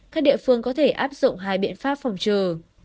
các địa phương có thể áp dụng hai biện pháp phòng trừ